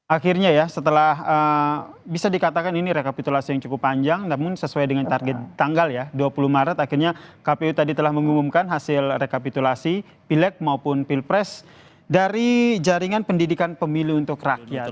akhirnya ya setelah bisa dikatakan ini rekapitulasi yang cukup panjang namun sesuai dengan target tanggal ya dua puluh maret akhirnya kpu tadi telah mengumumkan hasil rekapitulasi pileg maupun pilpres dari jaringan pendidikan pemilu untuk rakyat